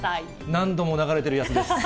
何度も流れてるやつです。